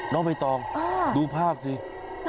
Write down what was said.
น้องเอยตองดูภาพสิน่ากลัวนะ